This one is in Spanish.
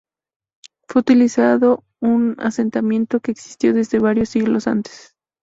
Fue utilizado un asentamiento que existió desde varios siglos antes.